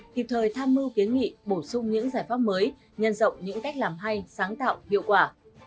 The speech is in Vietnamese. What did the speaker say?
kịp thời tham mưu kiến nghị bổ sung những giải pháp mới nhân rộng những cách làm hay sáng tạo hiệu quả